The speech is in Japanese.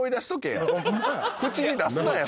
口に出すなや。